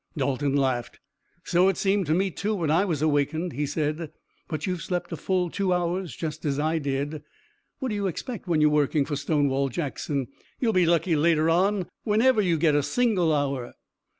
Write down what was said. Dalton laughed. "So it seemed to me, too, when I was awakened," he said, "but you've slept a full two hours just as I did. What do you expect when you're working for Stonewall Jackson. You'll be lucky later on whenever you get a single hour."